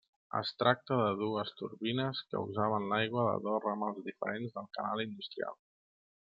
Es tracta de dues turbines que usaven l'aigua de dos ramals diferents del canal industrial.